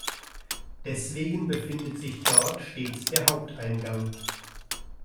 Deswegen befindet sich dort stets der Haupteingang.